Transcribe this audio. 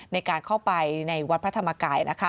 ในการเข้าไปในวัดพระธรรมกายนะคะ